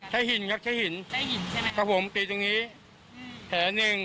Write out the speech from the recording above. ใช้หินครับใช้หินเพราะผมตีตรงนี้แผลนึง